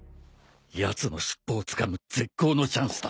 やつの尻尾をつかむ絶好のチャンスだ。